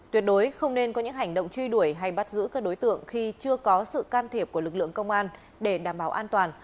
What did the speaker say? tuyệt đối không nên có những hành động truy đuổi hay bắt giữ các đối tượng khi chưa có sự can thiệp của lực lượng công an để đảm bảo an toàn